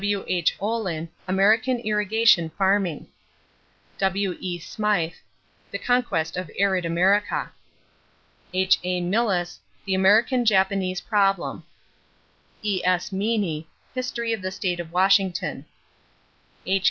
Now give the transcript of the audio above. W.H. Olin, American Irrigation Farming. W.E. Smythe, The Conquest of Arid America. H.A. Millis, The American Japanese Problem. E.S. Meany, History of the State of Washington. H.